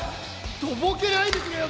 とぼけないでくれよ